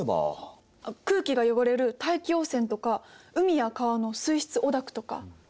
空気が汚れる大気汚染とか海や川の水質汚濁とか。